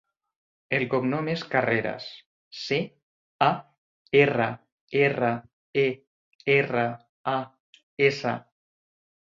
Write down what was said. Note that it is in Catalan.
El cognom és Carreras: ce, a, erra, erra, e, erra, a, essa.